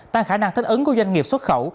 tăng khả năng thích ứng của doanh nghiệp xuất khẩu